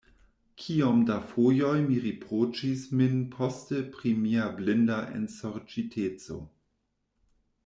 Kiom da fojoj mi riproĉis min poste pri mia blinda ensorĉiteco!